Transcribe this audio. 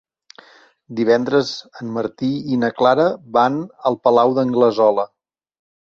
Divendres en Martí i na Clara van al Palau d'Anglesola.